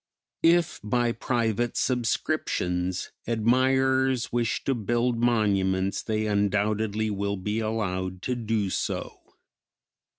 If by private subscriptions admirers wish to build monuments they undoubtedly will be allowed to do so.